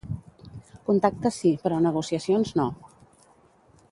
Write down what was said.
Contactes sí, però negociacions no.